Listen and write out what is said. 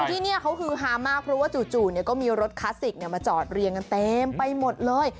ที่นี่เขาฮือฮามากเพราะว่าจู่ก็มีรถคลาสสิกมาจอดเรียงกันเต็มไปหมดเลย